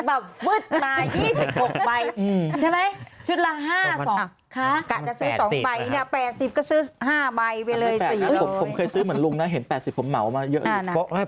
เป็นชุดละใบละ๘๐ไง